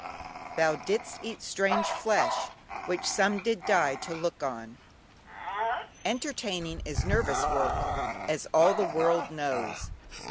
"Thou didst eat strange flesh Which some did die to look on." Entertaining is nervous work, as all the world knows.